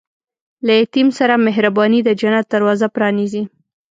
له یتیم سره مهرباني، د جنت دروازه پرانیزي.